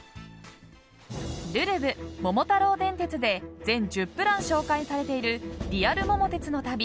「るるぶ桃太郎電鉄」で全１０プラン紹介されているリアル桃鉄の旅。